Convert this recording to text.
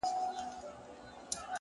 د حقیقت درناوی عقل پیاوړی کوي.